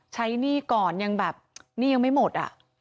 ใช้หนี้ก่อนหนี้ยังไม่หมดอ่ะ